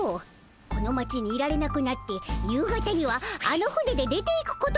この町にいられなくなって夕方にはあの船で出ていくことになるでおじゃる。